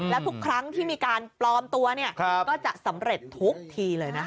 แล้วทุกครั้งที่มีการปลอมตัวเนี่ยก็จะสำเร็จทุกทีเลยนะคะ